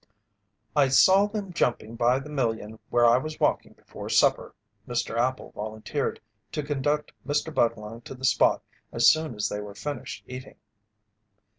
"I saw them jumping by the million where I was walking before supper." Mr. Appel volunteered to conduct Mr. Budlong to the spot as soon as they were finished eating.